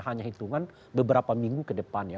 hanya hitungan beberapa minggu ke depan ya